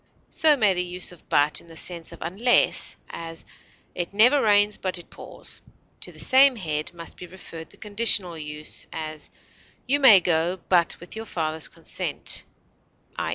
So may the use of but in the sense of unless; as, "it never rains but it pours." To the same head must be referred the conditional use; as, "you may go, but with your father's consent" (_i.